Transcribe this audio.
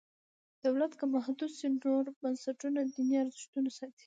دولت که محدود شي نور بنسټونه دیني ارزښتونه ساتي.